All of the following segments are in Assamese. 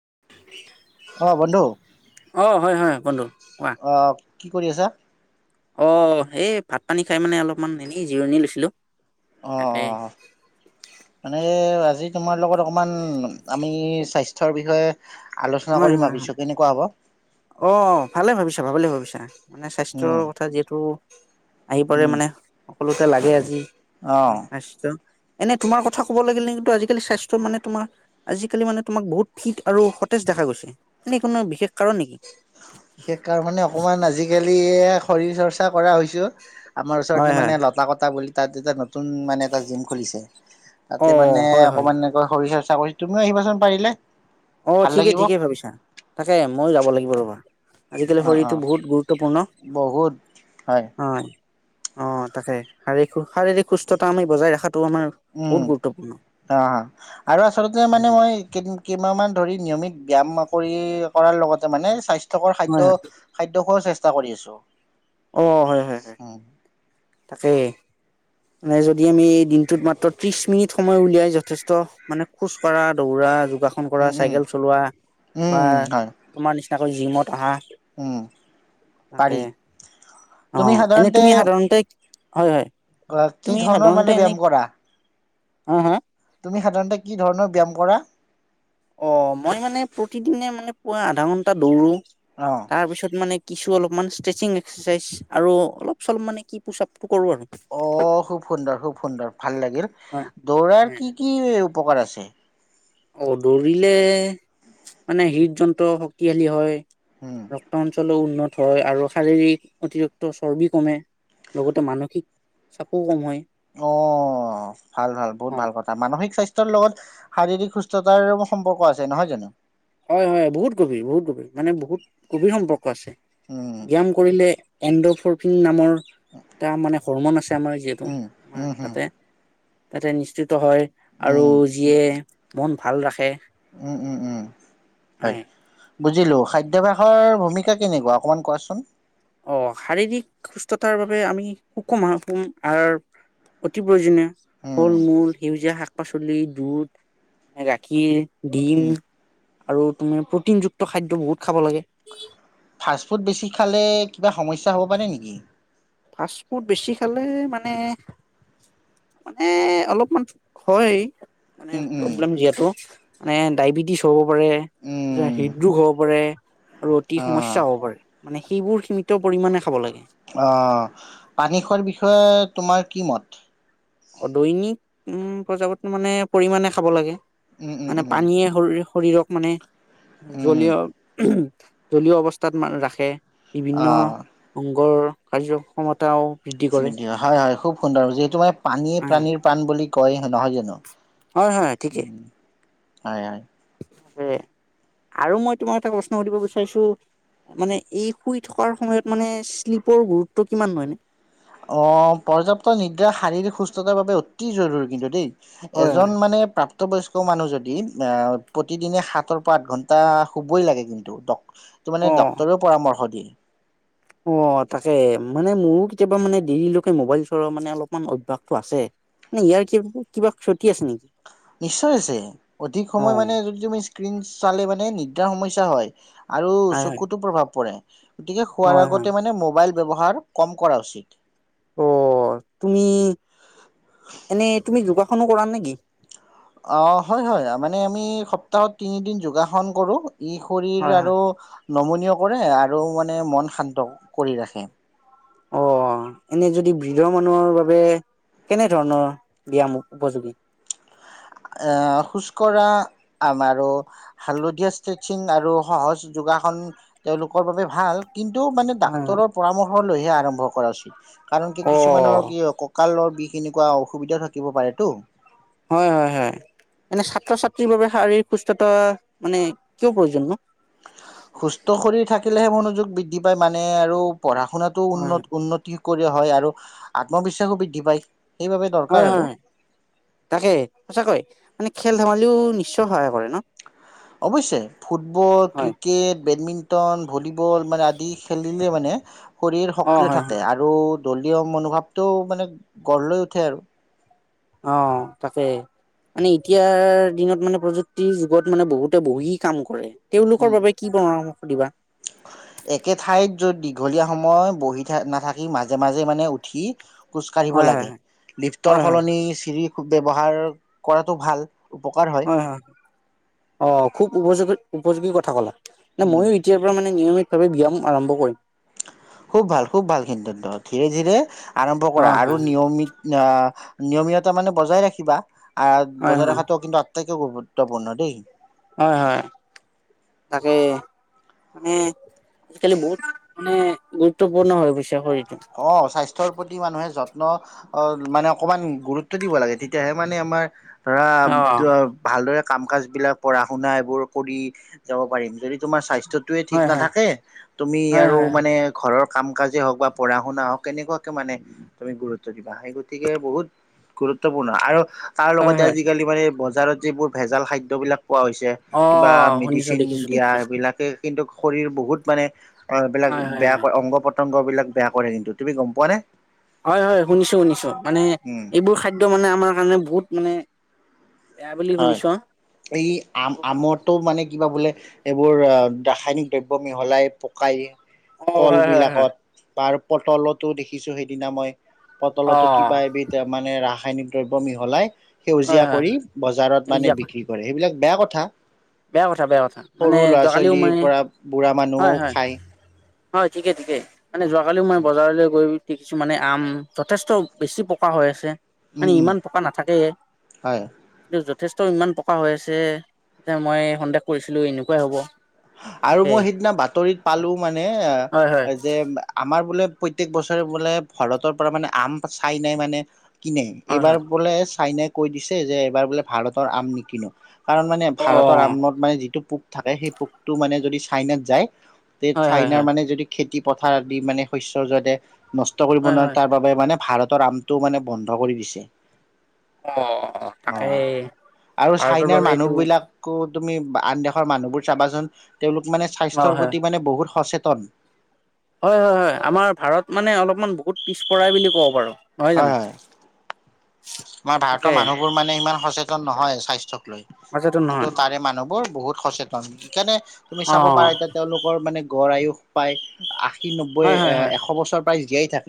উম। অহ বন্ধু হয় বন্ধু কোৱা অহ। কি কৰি আছা। অ এই ভাত পানী খাই মানে অলপমান এনেই জিৰণি লৈছিলো। অ অ তাকে অ মানে। ত আজি তোমাৰ লগত অকণমান আমি স্বাস্থ্যৰ বিষয়ে আলোচনা হয় কৰিম হয় ভাবিছো হয় কেনেকুৱা হ'ব। অ ভালে ভাবিছা ভালে ভাবিছা। মানে স্বাস্থ্যৰ উম কথা যিহেতু। আহি পৰে উম মানে। সকলোতে লাগে আজি। অ খালি অতছ [unintelligible] এনে তোমাৰ কথা ক'ব লাগিল নে কিন্তু আজিকালি স্বাস্থ্য মানে তোমাৰ আজিকালি মানে তোমাক বহুত ফিট আৰু সতেজ দেখা গৈছে এনে কোনো বিশেষ কাৰণ নেকি? হয়। [unintelligible] বিশেষ কাৰ মানে অকণমান আজিকালি শৰীৰ চৰ্চা কৰা হৈছোঁ। আমাৰ হয় ওচৰৰততে হয় মানে লতা কটা বুলি। তাত তে ন। নতুন মানে এটা জিম খুলিছে অ তাতে মানে হয় হয় অকমান এনেকৈ শৰ সাস্থ। কৰি তুমি আহাচোন পাৰিলে। অ ভাল ঠিকেই লাগিব ঠিকেই ভাবিছা তাকে ময়ো যাব লাগিব ৰ'বা, আজিকালি অ অ শৰীৰটো বহুত গুৰুত্বপূৰ্ণ বহুত হয়। অ তাকে শাৰীক শাৰীৰিক সুস্থতা আমি বজাই ৰখাত। উম অ আৰু আচলতে মানে মই কেইমানান ন্যমিত ব্যায়াম কৰি কৰাৰ লগতে মানে স্বাস্থ্য হয় খাদ্য হয়। খাদ্য খ্ৰেষ্ঠ চেষ্টা কৰি আছোঁ অ হয় হয় হয় তাকে মানে যদি আমি এই দিনটোত মাত্ৰ ত্ৰিশ মিনিট সময় উলিয়াই যথেষ্ট মানে খোজ কঢ়া দৌৰা যোগাসন কৰা উম উম চাইকেল চলোৱা উম বা উম হয় তোমাৰ নিচনা এনেকৈ জিমত অহা উম পাৰি অ তুমি এনে সাধাৰণতে তুমি হয় হয় অ কি ধৰণৰ মানে ব্যায়াম কৰা হম হা তুমি সাধাৰণতে কি ধৰণৰ ব্যায়াম কৰা অ মই মানে প্ৰতিদিনে মানে পুৱা আধা ঘন্টা দৌৰো অ তাৰ পিছত মানে কিছু অলপমান ষ্ট্ৰেচিং এক্সাৰচাইজ আৰু অলপ চলপ মানে কি পোচাপ অ খুব সুন্দৰ খুব সুন্দৰ ভাল লাগিল হয় দৌৰাৰ হয়, কি কি উপকাৰ আছে অ দৌৰিলে মানে হৃদ যন্ত্ৰ শক্তিশালী হয়। উম ৰক্ত অঞ্চলো উন্নত হয় আৰু শাৰীৰিক অতিৰিক্ত চৰ্বি কমে লগতে মানসিক চাপো কম হয়। অ ভাল ভাল বহুত হয়। ভাল কথা মানসিক স্বাস্থ্যৰ লগত শাৰীৰিক সুস্থতাৰ সম্পৰ্ক আছে নহয় জানো হয় হয় বহুত গভীৰ বহুত গভিৰ মানে বহুত গভিৰ সম্পৰ্ক আছে উম বিয়াম কৰিলে এণ্ডো ফৰফিন নামৰ তাৰ মানে হৰমন আছে আমাৰ যিহেতু উম, উম, হম, তাতে তাতে নিশ্চিত হয় আৰু উম, যিয়ে মন ভাল ৰাখে উম উম উম হয় বুজিলো খাদ্যাভাসৰ ভূমিকা কেনেকুৱা অকণমান কোৱাচোন অ শাৰীৰিক সুস্থতাৰ বাবে আমি সুকম আহাৰ আৰু অতি প্ৰয়োজনীয়। উম, ফল মূল সেউজীয়া শাক শাক -পাচলি, দুধ মানে গাখীৰ দিম উম, আৰু তুমি প্ৰটিনযুক্ত খাদ্য বহুত খাব লাগে। ফাষ্টফুড বেছি খালে কিবা সমস্যা হ'ব পাৰে নেকি? ফাষ্ট ফুড বেছি খালে মানে মানে অলপমান হয় মানে উম, উম, প্ৰব্লেম যিহেটো মানে ডায়বেটিছ হব পাৰে উম, হৃদৰোগ হব পাৰে আৰু অতি সমস্যা অ', হ'ব পাৰে মানে সেইবোৰ সম সিমিত পৰিমাণে খাব লাগে। অ পানী খোৱাৰ বিষয়ে তোমাৰ কি মত? অদৈনিক উম প্ৰজাপত মানে পৰিমানে খাব লাগে উম, উম, মানে উম, পানীয়ে শৰীৰ শৰীৰক মানে উম, জলিঅ দলীয় অৱস্থাত মানে ৰাখে। বিভিন্ন অ'। অংগৰ কাৰ্য ক্ষমতাও [unintelligible] হয় হয় খুব সুন্দৰ যিহেতু মই পানীয়ে হয় প্ৰাণীৰ প্ৰাণ বুলি কয়হে নহয় জানো? হয় হয় ঠিকেই উম, হয় হয় আৰু মই তোমাক এটা প্ৰশ্ন সুধিব বিচাৰিছো মানে এই শুই থকাৰ সময়ত মানে শ্লীপৰ গুৰুত্ব কিমান হয় এনে অ পৰ্যাপ্ত নিদ্ৰা শাৰীৰিক সুস্থতাৰ বাবে অতি জৰুৰী কিন্তু দেই হয় হয় এজন মানে প্ৰাপ ত বয়খষ্ট মানুহ যদি প্ৰতিদিনে সাতৰ পৰা আঠ ঘণ্টা শুবই লাগে কিন্তু ত মানে অ ডক্টৰেও পৰামৰ্শ দিয়ে অ তাকে মানে মোৰো কেতিয়াবা মানে দেৰিলৈকে মোবাইল চলোৱা মানে অলপমান অভ্যাসটো আছে মানে ইয়াৰ ক কিবা ক্ষ নিশ্চয় আছে অধিক অ সময় মানে যদি তুমি স্ৰীণ চালে মানে নিদ্ৰা সমস্যা হয় আৰু হয় হয় চকুতো প্ৰভাৱ পৰে [inaudible] গতিকে শুৱাৰ হয় হয় আগতে মানে মোবাইল ব্যৱহাৰ কম কৰা উচিত। অ' তুমি এনেই তুমি যোগাসনো কৰা নেকি? অ' হয় হয়, মানে আমি সপ্তাহত তিনিদিন যোগাসন কৰো। ই শৰীৰ হয় হয় আৰু নমনীয় কৰে আৰু মানে মন শান্ত কৰি ৰাখে। অ' এনে যদি বৃদ্ধ মানুহৰ বাবে কেনে ধৰণৰ ব্যায়াম উপযোগী? খোজকঢ়া আৰু হালধীয়া ষ্ট্ৰেছিং আৰু সহজ যোগাসন, তেওঁলোকৰ বাবে ভাল। কিন্তু মানে হয় হয় ডাক্তৰৰ পৰামৰ্শ সকলোৱে আৰম্ভ কৰা উচিত। কাৰণ কি অ কিছুমানৰ কি কঁকালৰ কেনেকুৱা অসুবিধা থাকিব পাৰেটো। হয় হয়। হয়, এনে ছাত্ৰ-ছাত্ৰীৰ বাবে শাৰীৰিক সুস্থতা মানে কিয় প্ৰয়োজন? সুস্থ শৰীৰ থাকিলেহে, মনোযোগ বৃদ্ধি পায় মানে আৰু পঢ়া শুনাতটো হয় উন্ন-উন্নতি কৰি হয় আৰু আত্মবিশ্বাসো বৃদ্ধি পায়। সেইবাবে দৰকাৰ হয় আৰু হয়, তাকে সঁচাকৈ মানে খেল ধমালিও নিশ্চয় হয় আৰু অৱশ্যে ফুটবল, হয় ক্ৰিকেট, বেডমিণ্টন তন ভলীবল মানে আদি খেলিলে মানে শৰীৰ অ সক্ৰিয় হয় হয় থাকে আৰু দলীয় মনোভাৱটো মানে গঢ় লৈ উঠে আৰু। অ' তাকে মানে এতিয়াৰ দিনত মানে প্ৰযুক্তিৰ যুগত মানে বহুতে বহি কাম কৰে। তেওঁলোকৰ উম। বাবে কি পৰামৰ্শ? দিবা। একে ঠাইত যত দীঘলীয়া সময় বহি থ নাথাকি মাজে মাজে, মানে উঠি খোজ কঢ়িব হয় হয় লাগে। হয় লিফ্টৰ হয় হয় সলনি চিৰি ব্যবহাৰ কৰাটো ভাল। হয় হয়, অ' খুব উপযোগী উপযোগী কথা ক'লা। ন মইয়ো, উম, এতিয়াৰ পৰা মানে নিয়মিত ব্যায়াম আৰম্ভ কৰিম। খুব ভাল, খুব ভাল, কিন্ত ধীৰে ধীৰে আৰম্ভ অ কৰা। আৰু নিয়মিত আহ, নিয়মীয়তা মানে বজাই ৰাখিবা। আ হয় হয় বজাৰ হয় ৰখাটোও কিন্তু আটাইকৈ গৰ্বত। গুৰুাপূৰ্ণ দেই। হয় হয় তাকে মানে আজিকালি বহুত মানে গুৰুত্বপূৰ্ণ হৈ গৈছে শৰীৰ। অ স্বাস্থ্যৰ। প্ৰতি মানুহে যত্ন অ মানে অকমান গুৰুত্ব দিব লাগে তেতিয়াহে মানে আমাৰ। ধৰা অ ভালদৰে। কাম কাজ বিলাক পঢ়া শুনা এইবোৰ কৰি যাব পাৰিম যদি তোমাৰ স্বাস্থ। স্বাস্থয়ে ঠিক হয় হয় নাথাকে তুমি হয় আৰু হয় মানে ঘৰৰ। কাম কাজে হওক বা। পঢ়া শুনা। কেনেকুৱাকে মানে তুমি গুৰুত্ব। গৰু্ব দিবাহে গতিকে বহুত গুৰুত্বপূৰ্ণ আৰু। তাৰ হয় লগতে হয় আজিকালি মানে। বজাৰত যিবোৰ ভেজাল খাদ্যবিলাক। পোৱা হৈছে অ কিবা শুনিছো মেডিচিন দেখিছো দিয়া দেখিছো সেইবিলাকেই। কিন্তু শৰীৰ বহুত মানে অ এইবিলাক হয় হয় বেয়া ক হয় অংগ পতংগ। এইবিলাক। বেয়া কৰে কিন্তু তুমি গম পোৱা নে? হয় হয় শুনিছো শুনিছো মানে উম এইবোৰ খাদ্য মানে আমাৰ কাৰণে বহুত মানে। বেয়া বুলি হয় শুনিছো এই আম আমৰতো মানে কিবা বোলে। এইবোৰ আহ ৰাসায়নিক দ্ৰব্য মিহলাই পকাই। অ কল হয় হয় হয় বিলাকত। পাৰ পটলতো দেখিছোঁ সেইদিনা মই। অ পতলত কিবা এবিধ মানে ৰাস। খনিক দ্ৰব্য মিহলাই। হয় সেউজীয়া হয় কৰি। বজাৰত মানে সেউজীয়া কল বিক্ৰী কৰে। এইবিলাক বেয়া কথা। বেয়া কথা বেয়া কথা মানে সৰু ল'ৰা যোৱাকালিও ছোৱালীৰ মানে পৰা বুঢ়া মানুহও হয় হয়। খায় হয় ঠিকে ঠিকে। মানে যোৱাকালিও মই বজাৰলৈ গৈ। কিছুমানে আম যথেষ্ট বেছি পকা হৈ আছে। উম মানে উম ইমান টকা নাথাকেয়ে। হয় কি য'ত যথেষ্ট ইমান পকা হৈ আছে। যে মই সন্দেহ কৰিছিলোঁ এনেকুৱাই হ'ব। আৰু তাকেই মই সিদিনা বাতৰিত পালোঁ মানে, হয় হয় যে আমাৰ বোলে প্ৰত্যেক বছৰে বোলে ভৰতৰ পৰা মানে আম চাইনাই মানে কিনে। হয় এইবাৰ হয় বোলে চাইনাই কৈ দিছে যে এইবাৰ বোলে ভাৰতৰ আম নিকিনোঁ। কাৰণ মানে অ ভাৰতৰ আমত মানে যিটো পোক থাকে, সেই পোক টো মানে যদি চাইনাত যায়, তে হয় হয় চাইনাৰ হয় মানে যদি খেতি পথাৰত দি মানে শস্যৰ যোৱাতে নষ্ট কৰিব হয় নোৱাৰে, হয় তাৰ বাবে মানে ভাৰত তৰ আমটো মানে বন্ধ কৰি দিছে। অ তাকে অ' আৰু ভাৰতৰ চাইনাৰ বাবে এইটো মানুহবিলাকো তুমি আন দেশৰ মানুহবোৰ চাবাচোন। তেওঁলোক মানে অ স্বাস্থ্যৰ হয় প্ৰতি মানে বহুত সচে তন। হয় - হয় - হয়। আমাৰ ভাৰত মানে অলপমান বহুত পিছপৰাই বুলি কব পাৰোঁ। নহয় হয় জানো? হয়। আমাৰ ভাৰতৰ তাকে মানুহবোৰ মানে ইমান সচে তন নহয় স্বাস্থ্যক লৈ। মাজতো নহয় কিন্তু তাৰে মানুহবোৰ বহুত সচেত সেইকাৰণে তুমি অ চাব পাৰা এতিয়া তেওঁলোকৰ মানে গড় আয়ুস পায়। আশী, নব্বৈ, হয় হয় হয় এ- এশ বছৰ প্ৰায় জীয়াই [unintelligible]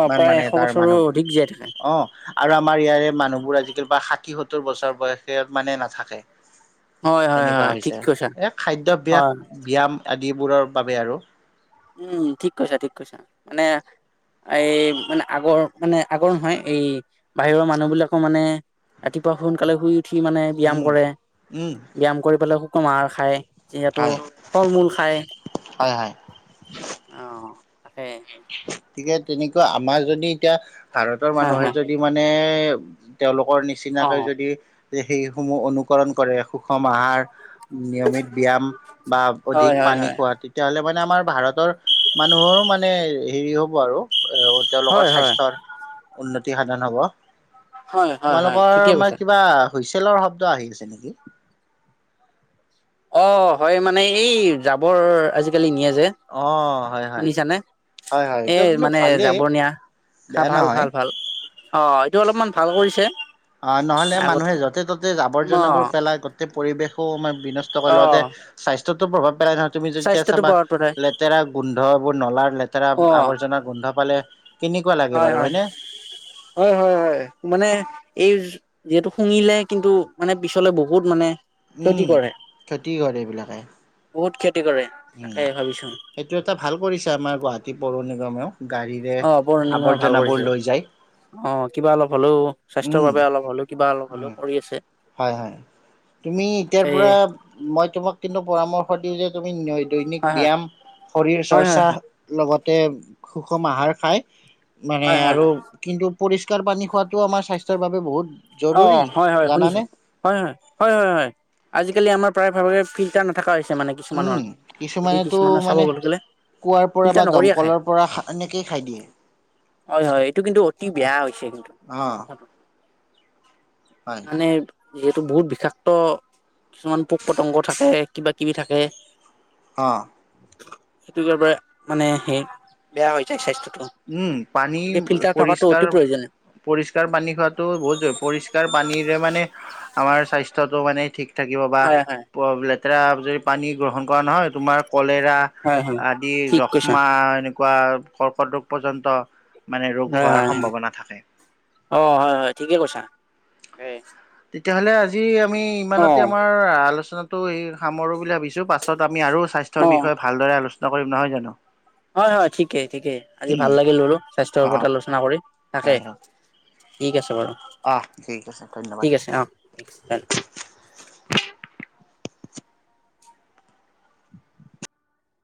অ' ইমান প্ৰায় মানে এশ তাৰ বছৰো মানুহবোৰ। অধিক জীয়াই থাকে। অ' আৰু আমাৰ ইয়াৰে মানুহবোৰ আজিকালি বা ষাঠি-সত্তৰ বছৰ বয়সে মানে নাথাকে। হয় হয় হয় এনেকুৱা ঠিক হৈছে। কৈছা এই খাদ্যাভাস, হয়। ব্যায়াম যিবোৰৰ বাবে আৰু। উম, ঠিক কৈছা। ঠিক কৈছা। মানে- এই মানে- আগৰ- মানে আগৰ নহয়। এই বাহিৰৰ মানুহবিলাকো মানে ৰাতিপুৱা সোনকালে শুই উঠি মানে ব্যায়াম উম কৰে উম ব্যায়াম কৰি পেলাই খু কুমাৰ খায় যিহেতু হয় ফল মূল খায় হয় হয়। অ তাকে তিকে তেনেকুৱা আমাৰ যদি এতিয়া ভাৰতৰ হয়, মানুহে হয়। যদি মানে তেওঁলোক পৰা অ' নিচিনাকৈ যদি যে সেইসমূহ অনুকৰণ কৰে সুষম আহাৰ নিয়মিত ব্যয়াম বা অধিক হয়, হয়, পানী হয়, খোৱা তেতিয়াহ'লে মানে আমাৰ ভাৰতৰ মানুহৰো মানে হেৰি হ'ব আৰু তেওঁলোকৰ হয়, হয়, স্বাস্থ্যৰ উন্নতি সাধন হ'ব হয়, হয়, হয়, ঠিকে তোমালোকৰ মাৰ কৈছা। কিবা হুইচেলৰ শব্দ আহি আছে নেকি? অ হয় মানে এই জাবৰ আজিকালি নিয়ে যে অ', হয় হয়। শুনিছানে হয় হয় এ এইটো কিন্তু মানে ভালেই জাবৰ নিয়া খা বেয়া ভাল নহয়। ভাল ভাল অ এইটো অলপমান ভাল কৰিছে অ নহলে মানুহে আগতকে। য'তে ত'তে আৱৰ্জনাবোৰ অ', পেলাই গোটেই পৰিবেশো আমাৰ বিনষ্ট কৰি লওঁতে অ'। স্বাস্থ্য য'ত তত প্ৰভাৱ পেলাই নহয় তুমি যেতিয়া স্বাস্থ্যটো চাবা পৰত পঠায় লেতেৰা গোন্ধ এইবোৰ নলাৰ লেতেৰা অ আৱৰ্জনাৰ গোন্ধ পালে কেনেকুৱা লাগে হয় বাৰু হয় হয়নে? হয় হয় হয় মানে এই যিহেতু শুঙিলে কিন্তু মানে পিছলৈ বহুত মানে ক্ষতি উম কৰে ক্ষতি কৰে এইবিলাকে বহুত ক্ষতি কৰে উম তাকে ভাবিছো সেইটো এটা ভাল কৰিছে আমাৰ গুৱাহাটী পৰণি গমও [unintelligible] অ বৰণিই ভাল কৰিছে যায় আহ কিবা অলপ হলেও স্বাস্থ্যৰ উম বাবে অলপ হলেও কিবা অলপ হলেও উম কৰি আছে হয় হয় তুমি এতিয়াৰ সেই পৰা মই তোমাক কিন্তু পৰামৰ্শ দিওঁ যে ন [unintelligible] দৈনিক হয় ব্যায়াম শৰীৰ হয় হয় চৰ্চা হয় লগত তেম সুষম আহাৰ খায় মানে হয় হয় হয় আৰু কিন্তু পৰিষ্কাৰ পানী খোৱাটো আমাৰ স্বাস্থ্যৰ বাবে বহুত অ জৰুৰী হয় হয় জানানে শুনিছো হয় হয় হয় হয় হয় আজিকালি আমাৰ প্ৰায় ভাগৰে ফিল্টাৰ নথকা হৈছে। মানে কিছুমানৰ উম যদি কিছুমানেতো কিছুমানৰ চাব মানে গ'লে কুঁৱাৰ পৰা বা ফিল্টাৰ নকৰিয়ে খায়। দমকলৰ পৰা এনেকেই খাই দিয়ে হয় হয় এইটো কিন্তু অতি বেয়া হৈছে কিন্তু অ কথাটো। হয় মানে যিহেতু বহুত বিষাক্ত কিছুমান পোক পতংগ থাকে কিবা কিবি থাকে। অ সেইটো কাৰেবাৰে মানে সে বেয়া হৈ যায় স্বাস্থ্য। উম পানী পৰিষ্কাৰ অতি প্ৰয়োজনীয় পৰিষ্কাৰ পানী খোৱাটো বহুত জৰুৰী পৰিষ্কাৰ ফিল্টাৰ পানীৰে মানে আমাৰ স্বাস্থ্যটো মানে ঠিক থাকিব বা হয় হয় প্ৰব্লে এ যদি পানী গ্ৰহণ কৰা নহয় তোমাৰ কলেৰা হয় হয় আদি ঠিক কৈছা যক্ষ্মা এনেকো কোৱা কৰ্কট ৰোগ পৰ্যন্ত মানে ৰোগ হয় হোৱাৰ হয় হয় সম্ভাৱনা থাকে। অ হয় হয় ঠিকে কৈছা। তেতিয়াহ'লে আজি আমি অ ইমানতে আমাৰ আলোচনাত তো এই সামৰো বুলি ভাৱিছো। পাছত আমি আৰু অ স্বাস্থ্যৰ বিষয়ে ভালদৰে আলোচনা নকৰিম নহয় জানো। হয় হয় ঠিকেই ঠিকেই আজি ভাল লাগিল বাৰু। স্বাস্থ্যৰ অ' ওপৰত আলোনা কৰি তাকে। হয় হয় ঠিক আছে। অ' ঠিক আছে ধন্যবাদ। ঠিক আছে অ ঠিক আছে।